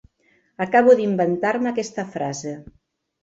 Acabo d'inventar-me aquesta frase.